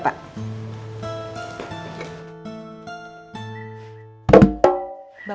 bapak mau pergi